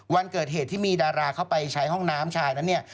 วันเกิดเหตุที่มีดาราเข้าไปใช้ห้องน้ำชาย